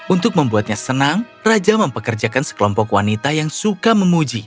untuk membuatnya senang raja mempekerjakan sekelompok wanita yang suka memuji